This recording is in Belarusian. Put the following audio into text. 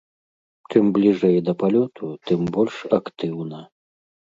Чым бліжэй да палёту, тым больш актыўна.